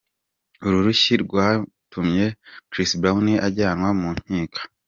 Uru rushyi rwatumye Chris Brown ajyanwa mu nkiko.